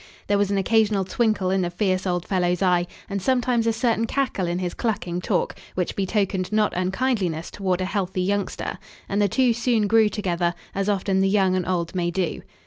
There was an occasional twinkle in the fierce old fellow's eye and sometimes a certain cackle in his clucking talk, which betokened not unkindliness toward a healthy youngster, and the two soon grew together, as often the young and old may do.